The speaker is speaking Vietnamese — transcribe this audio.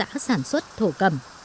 lập hợp tác xã sản xuất thổ cầm